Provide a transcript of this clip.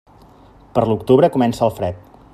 Per l'octubre comença el fred.